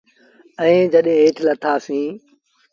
ائيٚݩ جڏيݩ هيٺ لٿآ سيٚݩ۔